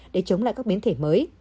để chống lại các biến thể mới